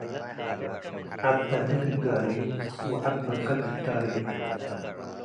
ዐድ በዴ ትጋለዩ፣ ወዐድ በቅል ትታለዩ።